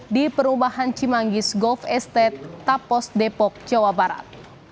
di perumahan cimanggis golf estate tapos depok jawa barat